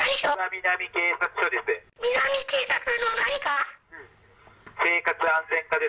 南警察の何課？